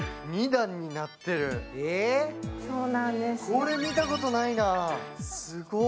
これ見たことないな、すごっ。